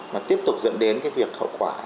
mà tiếp tục dẫn đến cái việc hậu quả